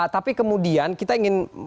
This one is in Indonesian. tapi kemudian kita ingin